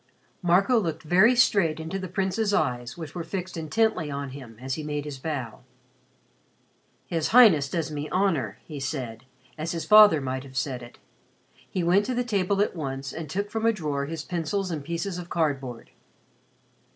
Marco looked very straight into the Prince's eyes which were fixed intently on him as he made his bow. "His Highness does me honor," he said, as his father might have said it. He went to the table at once and took from a drawer his pencils and pieces of cardboard.